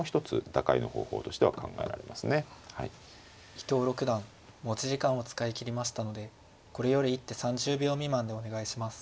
伊藤六段持ち時間を使い切りましたのでこれより一手３０秒未満でお願いします。